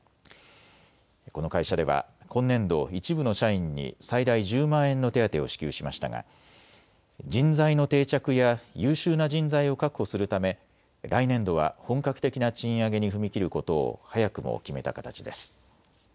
この会社では今年度、一部の社員に最大１０万円の手当を支給しましたが人材の定着や優秀な人材を確保するため、来年度は本格的な賃上げに踏み切ることを早くも決めた形です。